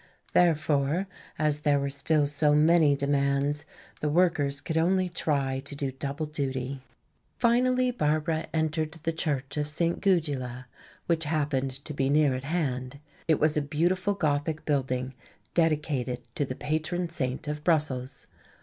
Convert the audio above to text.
Therefore, as there were still so many demands, the workers could only try to do double duty. Finally Barbara entered the church of St. Gudula, which happened to be near at hand. It was a beautiful Gothic building, dedicated to the patron saint of Brussels.